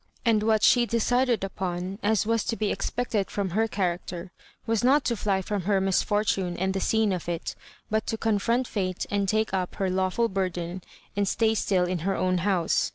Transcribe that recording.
And what she decided upon, as was to be expected from her character, was not to fly from her misfortune and the scene of it, but to confront fate and take up her lawful burden and stay still in her own house.